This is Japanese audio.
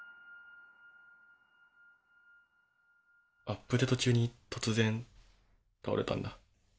アップデート中に突然倒れたんだ。